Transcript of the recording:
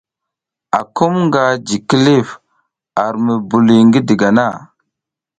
Akum nga ji kilif ar mubuliy ngi digana.